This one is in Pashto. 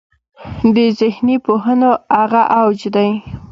د ذهني پوهنو هغه اوج دی.